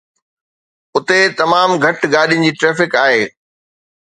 اتي تمام گهٽ گاڏين جي ٽريفڪ آهي